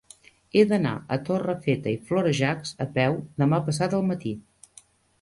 He d'anar a Torrefeta i Florejacs a peu demà passat al matí.